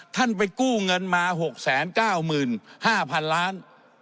ไปกู้เงินมา๖๙๕๐๐๐ล้าน